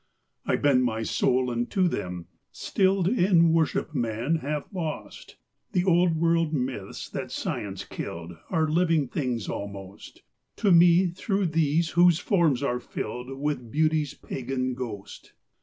I bend my soul unto them, stilled In worship man hath lost: The old world myths that science killed Are living things almost To me through these whose forms are filled With Beauty's pagan ghost.